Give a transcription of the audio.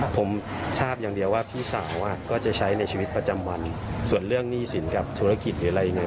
ผมทราบอย่างเดียวว่าพี่สาวก็จะใช้ในชีวิตประจำวันส่วนเรื่องหนี้สินกับธุรกิจหรืออะไรยังไง